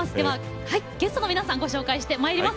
ゲストの皆さんを紹介してまいります。